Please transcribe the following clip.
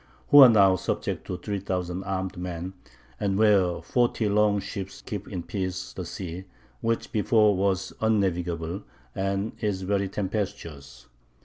who are now subject to three thousand armed men, and where forty long ships keep in peace the sea which before was unnavigable, and is very tempestuous?"